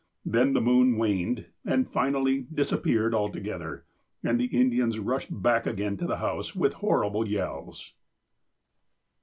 Then the moon waned, and finally disappeared altogether, and the In dians rushed back again to the house with horrible yells."